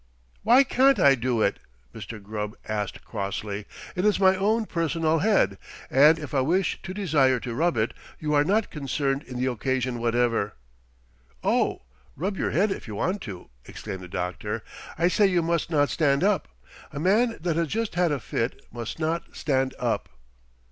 "Why can't I do it?" Mr. Gubb asked crossly. "It is my own personal head, and if I wish to desire to rub it, you are not concerned in the occasion whatever." "Oh, rub your head if you want to!" exclaimed the doctor. "I say you must not stand up. A man that has just had a fit must not stand up."